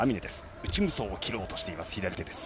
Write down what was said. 内無双を切ろうとしています、左手です。